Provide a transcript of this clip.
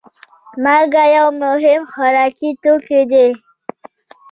مالګه یو مهم خوراکي توکی دی.